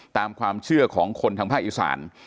ตามความเชื่อของคนทางภาคอีสาน